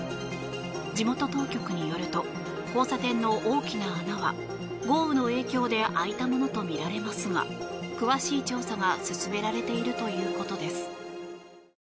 地元当局によると交差点の大きな穴は豪雨の影響で開いたものとみられますが詳しい調査が進められているということです。